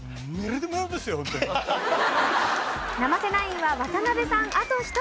生瀬ナインは渡辺さんあと１人。